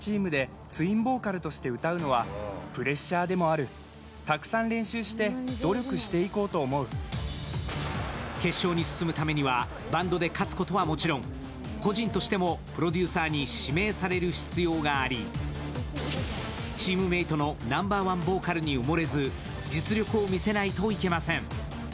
すると決勝に進むためにはバンドで勝つことはもちろん個人としてもプロデューサーに指名される必要があり、チームメートのナンバーワンボーカルに埋もれず実力を見せないといけません。